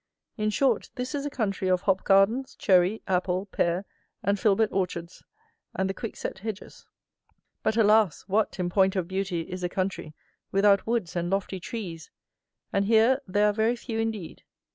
In short, this is a country of hop gardens, cherry, apple, pear and filbert orchards, and quick set hedges. But, alas! what, in point of beauty, is a country without woods and lofty trees! And here there are very few indeed.